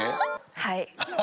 はい。